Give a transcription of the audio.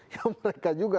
ya mereka juga